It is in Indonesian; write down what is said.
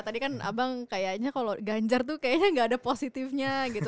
tadi kan abang kayaknya kalau ganjar tuh kayaknya gak ada positifnya gitu